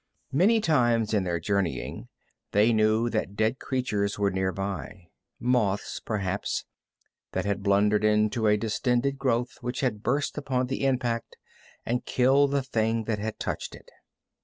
Many times in their journeying they knew that dead creatures were near by moths, perhaps, that had blundered into a distended growth which had burst upon the impact and killed the thing that had touched it.